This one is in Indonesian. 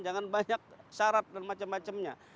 jangan banyak syarat dan macam macamnya